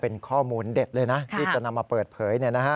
เป็นข้อมูลเด็ดเลยนะที่จะนำมาเปิดเผย